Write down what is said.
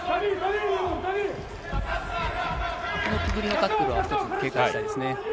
このくぐりのタックルがひとつ警戒したいですね。